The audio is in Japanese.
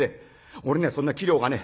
俺にはそんな器量がねえ。